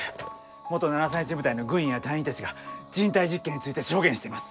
元７３１部隊の軍医や隊員たちが人体実験について証言しています。